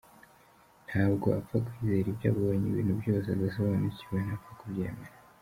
Ntabwo apfa kwizera ibyo abonye, ibintu byose adasobanukiwe ntapfa kubyemera.